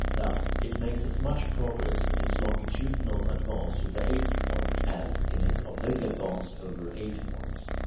Thus, it makes as much progress in its longitudinal advance to the eighth point as in its oblique advance over eight points.